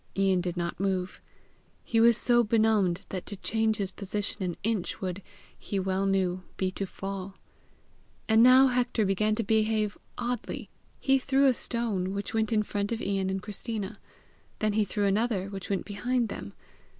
Ian did not move. He was so benumbed that to change his position an inch would, he well knew, be to fall. And now Hector began to behave oddly. He threw a stone, which went in front of Ian and Christina. Then he threw another, which went behind them.